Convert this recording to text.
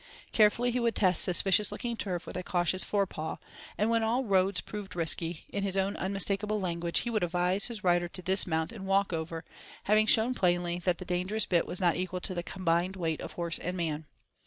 Carefully he would test suspicious looking turf with a cautious fore paw, and when all roads proved risky, in his own unmistakable language he would advise his rider to dismount and walk over, having shown plainly that the dangerous bit was not equal to the combined weight of horse and man.